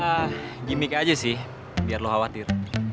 ya gimmick aja sih biar lo khawatir